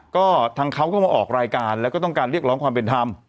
ก็ทางเขาก็มาออกรายการแล้วก็ต้องการเรียกร้องความเป็นธรรม